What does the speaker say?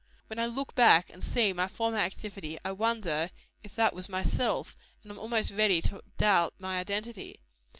When I look back and see my former activity, I wonder if that was myself, and am almost ready to doubt my identity.